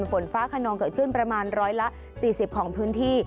ฝนฟ้าขนองเกิดขึ้นประมาณร้อยละ๔๐ของพื้นที่